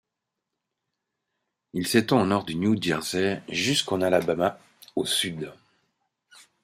Il s’étend au nord du New Jersey jusqu’en Alabama au sud.